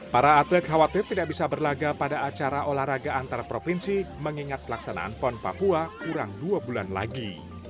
para atlet khawatir tidak bisa berlaga pada acara olahraga antar provinsi mengingat pelaksanaan pon papua kurang dua bulan lagi